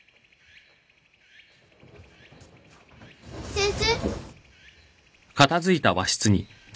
先生？